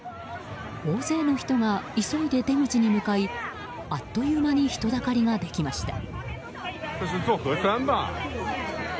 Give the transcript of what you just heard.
大勢の人が急いで出口に向かいあっという間に人だかりができました。